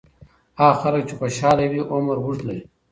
هغه خلک چې خوشاله وي، عمر اوږد لري.